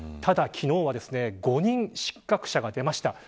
ただ昨日は５人、失格者が出ました。